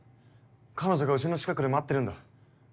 彼女がうちの近くで待ってるんだ。